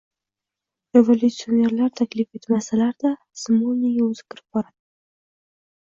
Revolyutsionerlar taklif etmasalar-da, Smolniyga o‘zi kirib boradi!